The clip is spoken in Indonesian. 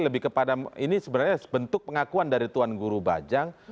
lebih kepada ini sebenarnya bentuk pengakuan dari tuan guru bajang